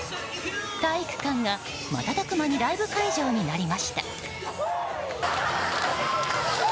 体育館が瞬く間にライブ会場になりました。